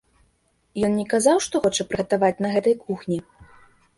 Ён не казаў што хоча прыгатаваць на гэтай кухні?